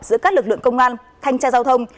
giữa các lực lượng công an thanh tra giao thông